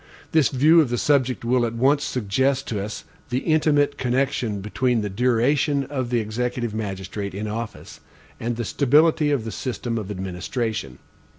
This view of the subject will at once suggest to us the intimate connection between the duration of the executive magistrate in office and the stability of the system of administration.